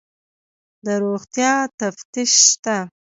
د روغتیا تفتیش شته؟